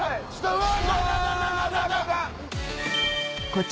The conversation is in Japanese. うわ！